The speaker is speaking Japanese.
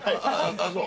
ああそう。